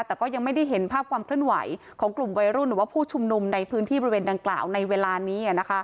แต่ก็ยังไม่ได้เห็นภาพความเคลื่อนไหวของกลุ่มวัยรุ่นหรือว่าผู้ชุมนุมในพื้นที่บริเวณดังกล่าวในเวลานี้